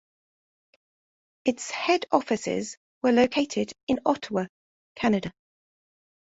Its head offices were located in Ottawa, Canada.